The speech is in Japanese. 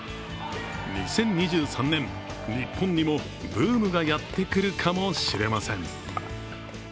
２０２３年、日本にもブームがやってくるかもしれません。